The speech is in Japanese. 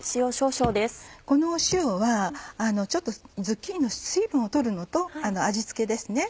この塩はズッキーニの水分を取るのと味付けですね。